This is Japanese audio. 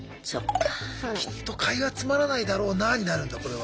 「きっと会話つまらないだろうな」になるんだこれは。